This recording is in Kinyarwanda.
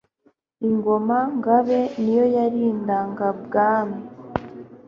Ingoma-Ngabe niyo yari indangabwami,